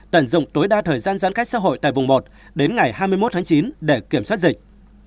tận dụng tối đa thời gian giãn cách xã hội tại vùng một đến ngày hai mươi một tháng chín để kiểm soát dịch